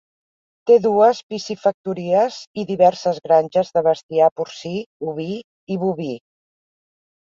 Té dues piscifactories i diverses granges de bestiar porcí, oví i boví.